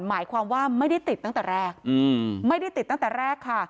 หมายความว่าไม่ได้ติดตั้งแต่แรกไม่ได้ติดตั้งแต่แรกค่ะ